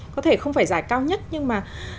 có thể không phải giải cao nhất nhưng mà